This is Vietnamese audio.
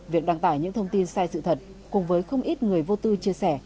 việc đăng tải những thông tin sai sự thật cùng với không ít người vô tư chia sẻ